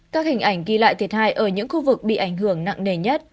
các hình ảnh ghi lại thiệt hại ở những khu vực bị ảnh hưởng nặng nề nhất